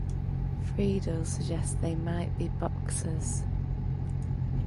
Freidel suggests they might be boxers.